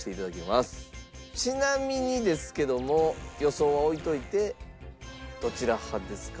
ちなみにですけども予想は置いておいてどちら派ですか？